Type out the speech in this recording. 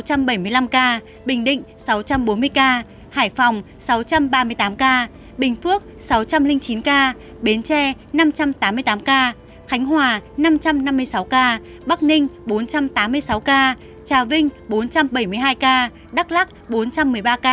hải phòng sáu trăm ba mươi tám ca bình phước sáu trăm linh chín ca bến tre năm trăm tám mươi tám ca khánh hòa năm trăm năm mươi sáu ca bắc ninh bốn trăm tám mươi sáu ca trà vinh bốn trăm bảy mươi hai ca đắk lắc bốn trăm một mươi ba ca